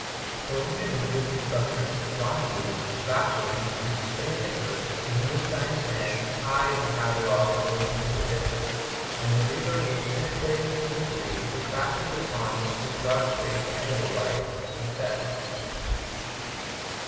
For ingenuity FURTHER ADVICES 313 of construction, blind leads, bafflings, and sustained in terest The Moonstone" stands high in the catalogue of the mysteries of fiction; and the reader was penetrating to a degree who fastened upon Mr. Godfrey Ablewhite the theft.